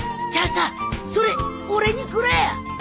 じゃあさそれ俺にくれよ！